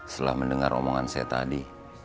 setelah mendengar omongan saya tadi